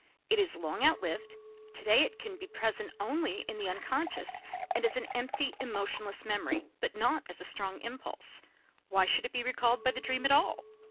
It is long outlived, to day it can be present only in the unconscious and as an empty, emotionless memory, but not as a strong impulse. Why should it be recalled by the dream at all!"